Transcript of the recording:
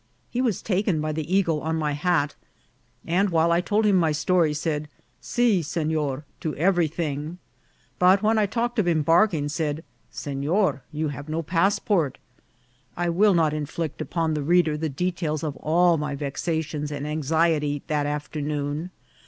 He was taken by the eagle on my hat, and while I told him my story, said " Si, senor," to everything ; but when I talked of embarking, said, " Senor, you have no passport^' I will not inflict upon the reader the details of all my vexations and anxiety that after noon.